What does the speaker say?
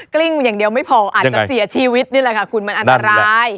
กลิ้งอย่างเดียวไม่พออาจจะเสียชีวิตนี่แหละค่ะคุณมันอันตราย